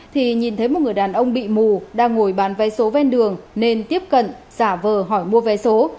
thì nhìn thấy một người đàn ông bị mù đang ngồi bán vé số ven đường nên tiếp cận giả vờ hỏi mua vé số